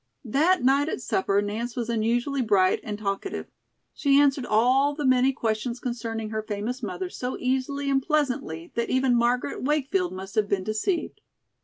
That night at supper Nance was unusually bright and talkative. She answered all the many questions concerning her famous mother so easily and pleasantly that even Margaret Wakefield must have been deceived.